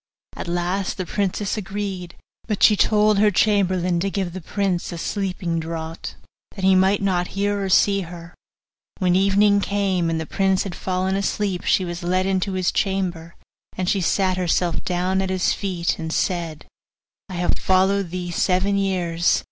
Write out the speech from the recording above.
At last the princess agreed, but she told her chamberlain to give the prince a sleeping draught, that he might not hear or see her. When evening came, and the prince had fallen asleep, she was led into his chamber, and she sat herself down at his feet, and said: 'I have followed thee seven years.